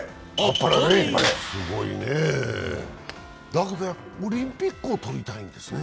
だけどオリンピックをとりたいんですね。